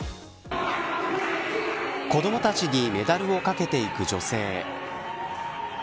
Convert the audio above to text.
子どもたちにメダルをかけていく女性。